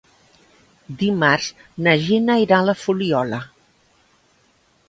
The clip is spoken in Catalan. Dimarts na Gina irà a la Fuliola.